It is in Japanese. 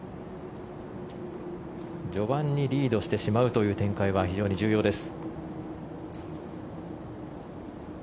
序盤にリードしてしまうという展開は非常に重要です。